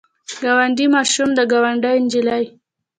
د ګاونډي ماشوم د ګاونډۍ نجلۍ.